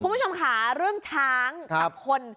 คุณผู้ชมค่ะเรื่องช้างกับคน